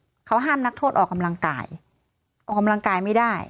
เขาห้ามนักโทษออกกำลังกายออกกำลังกายไม่ได้